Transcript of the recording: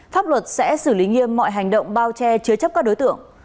pháp luật sẽ xử lý nghiêm mọi hành động bao che chứa chấp các đối tượng